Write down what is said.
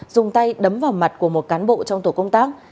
dùng tay đấm vào mặt của một cán bộ trong tổ công tác